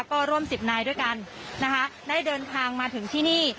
ก็ร่วมสิบนายด้วยกันนะคะได้เดินทางมาถึงที่นี่